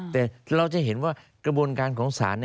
แต่เราจะเห็นว่ากระบวนการของศาล